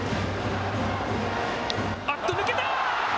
あっと抜けた！